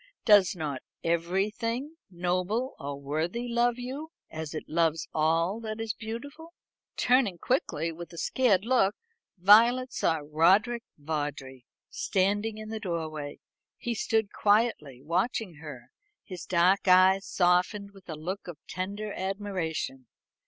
"Does not everything noble or worthy love you, as it loves all that is beautiful?" Turning quickly, with a scared look, Violet saw Roderick Vawdrey standing in the doorway. He stood quietly watching her, his dark eyes softened with a look of tender admiration.